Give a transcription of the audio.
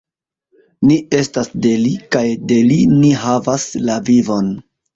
Ni estas de Li kaj de Li ni havas la vivon!